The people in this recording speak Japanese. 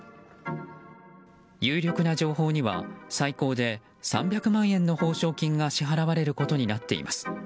有力な情報には最高で３００万円の報奨金が支払われることになっています。